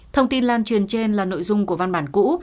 thông tin lan truyền trên là nội dung của văn bản cũ